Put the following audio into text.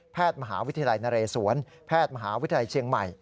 มหาวิทยาลัยนเรศวรแพทย์มหาวิทยาลัยเชียงใหม่